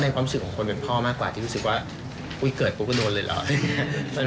ของผมเป็นที่รู้สึกว่าเกิดประโบโดนเลยเหรอ